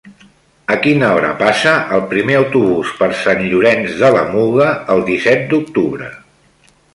A quina hora passa el primer autobús per Sant Llorenç de la Muga el disset d'octubre?